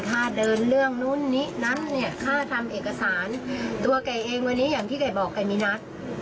ถ้าเดินเรื่องนู้นนี้นั้นเนี่ยค่าทำเอกสารตัวไก่เองวันนี้อย่างที่ไก่บอกไก่มีนัด